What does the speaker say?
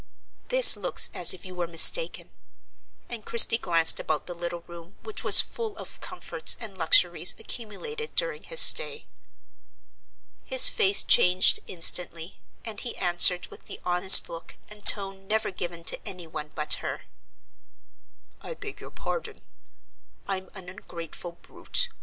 "This looks as if you were mistaken;" and Christie glanced about the little room, which was full of comforts and luxuries accumulated during his stay. His face changed instantly, and he answered with the honest look and tone never given to any one but her. "I beg your pardon: I'm an ungrateful brute.